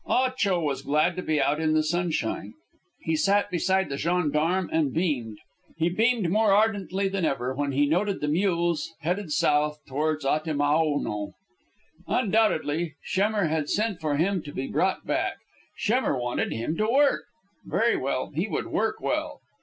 Ah Cho was glad to be out in the sunshine. He sat beside the gendarme and beamed. He beamed more ardently than ever when he noted the mules headed south toward Atimaono. Undoubtedly Schemmer had sent for him to be brought back. Schemmer wanted him to work. Very well, he would work well.